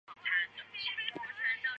三辅各地起兵对抗更始帝军。